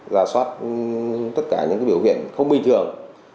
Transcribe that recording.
giả soát tất cả những biểu hiện không bình thường